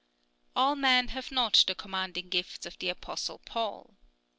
All men have not the commanding gifts of the apostle Paul.